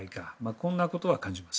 こんなことは感じます。